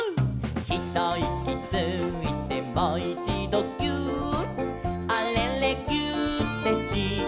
「ひといきついてもいちどぎゅーっ」「あれれぎゅーってしたら」